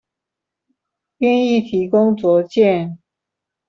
願意提供卓見